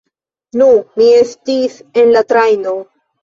Nu, mi estis en la trajno...